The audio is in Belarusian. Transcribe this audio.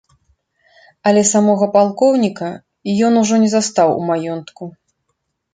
Але самога палкоўніка ён ужо не застаў у маёнтку.